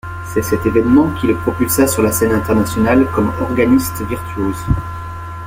C'est cet évènement qui le propulsa sur la scène internationale comme organiste virtuose.